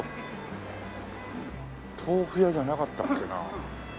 豆腐屋じゃなかったっけな？